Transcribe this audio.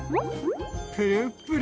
プルップル。